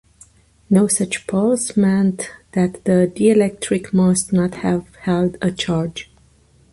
No such pulse meant that the dielectric must not have held a charge.